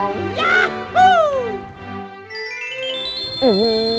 ยาหู้